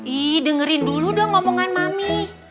ih dengerin dulu dong mami